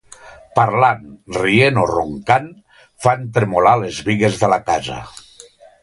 Parlant, rient o roncant, fan tremolar les bigues de la casa.